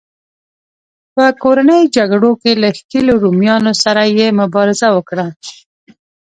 په کورنیو جګړو کې له ښکېلو رومیانو سره یې مبارزه وکړه